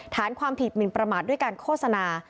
ฐานความผิดหมินประมาทด้วยการโฆษณา